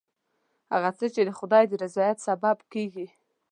هغه څه چې د خدای د رضایت سبب کېږي.